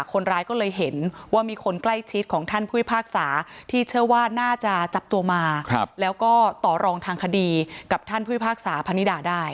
กับท่านผู้พยาภาคศาพนิดาได้